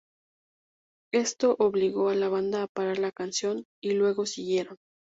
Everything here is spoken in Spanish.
Esto obligó a la banda a parar la canción, y luego siguieron.